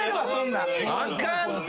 あかんて！